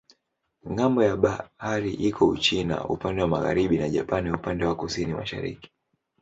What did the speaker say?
Ng'ambo ya bahari iko Uchina upande wa magharibi na Japani upande wa kusini-mashariki.